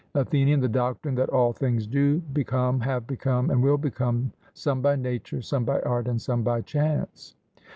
ATHENIAN: The doctrine that all things do become, have become, and will become, some by nature, some by art, and some by chance.